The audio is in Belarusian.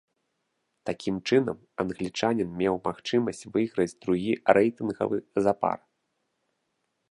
Такім чынам, англічанін меў магчымасць выйграць другі рэйтынгавы запар.